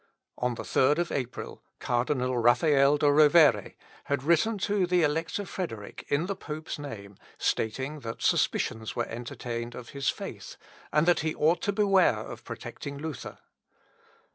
On the 3rd of April, Cardinal Raphael De Rovere had written to the Elector Frederick in the pope's name, stating that suspicions were entertained of his faith, and that he ought to beware of protecting Luther.